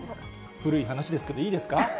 古い話ですけどいいですか？